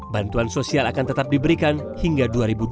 bantuan sosial akan tetap diberikan hingga dua ribu dua puluh